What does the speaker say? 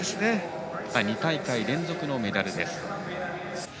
２大会連続のメダルです。